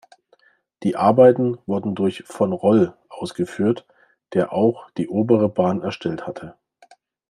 Die Arbeiten wurden durch "Von Roll" ausgeführt, der auch die obere Bahn erstellt hatte.